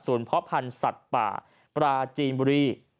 ส่วนพพันธ์สัตว์ป่าปลาจีนบุรี